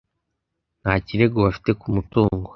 Nta kirego bafite ku mutungo.